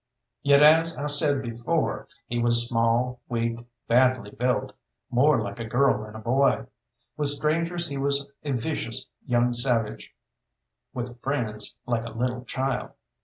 Yet, as I said before, he was small, weak, badly built more like a girl than a boy. With strangers he was a vicious young savage; with friends, like a little child.